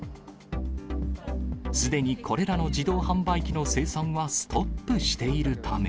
すでにこれらの自動販売機の生産はストップしているため。